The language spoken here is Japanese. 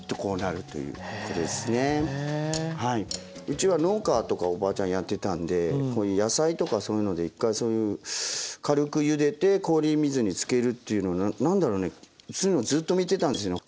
うちは農家とかおばあちゃんやってたんで野菜とかそういうので一回そういう軽くゆでて氷水につけるというのの何だろうねそういうのをずっと見てたんですよね。